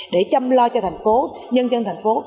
để chăm lo cho thành phố nhân dân thành phố